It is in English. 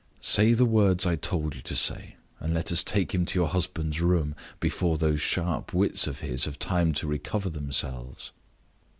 Say the words I told you to say, and let us take him to your husband's room, before those sharp wits of his have time to recover themselves."